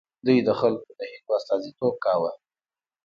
دوی د خلکو د هیلو استازیتوب کاوه.